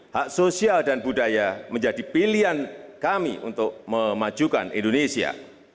hak sosial dan budaya menjadi pilihan kami untuk memajukan indonesia